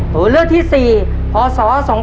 ตัวเลือกที่๔พศ๒๕๖